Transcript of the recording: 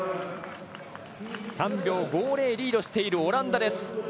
３秒５０リードしているオランダ。